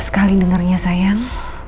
gak sekali dengernya sayang